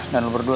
dan lo berdua